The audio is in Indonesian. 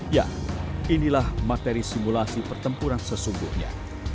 ya inilah materi simulasi pertempuran sesungguhnya